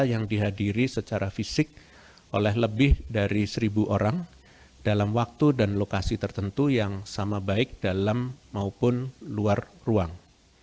yang dihadiri secara fisik oleh lebih dari seribu orang dalam waktu dan lokasi tertentu yang sama baik dalam maupun luar ruang